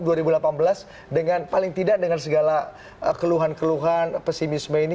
dengan paling tidak dengan segala keluhan keluhan pesimisme ini